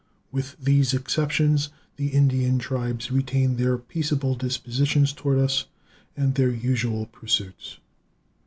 With these exceptions the Indian tribes retain their peaceable dispositions toward us, and their usual pursuits.